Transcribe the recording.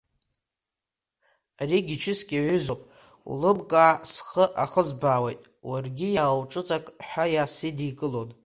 Аригьы чыск иаҩызоуп, улымкаа схы ахызбаауеит, уаргьы иаауҿыҵак, ҳәа иаасыдикылон.